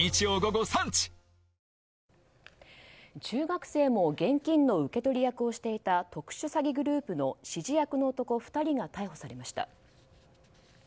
中学生も現金の受け取り役をしていた特殊詐欺グループの指示役の男２人が逮捕されました。